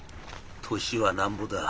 年はなんぼだ？